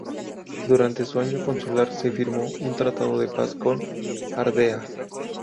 Durante su año consular se firmó un tratado de paz con Ardea.